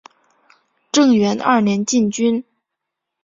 正元二年进军。